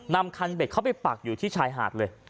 นำคันเบ็ดเข้าไปปักอยู่ที่ชายหาดเลย